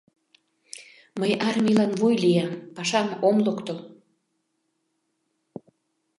— Мый армийлан вуй лиям, пашам, ом локтыл.